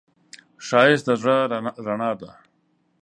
ښایست د زړه رڼا ده